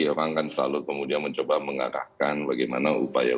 orang akan selalu kemudian mencoba mengarahkan bagaimana upaya